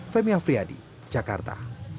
femya friadi jakarta